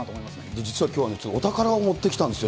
実はきょうね、お宝を持ってきたんですよ。